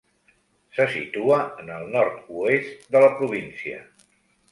Se situa en el nord-oest de la província.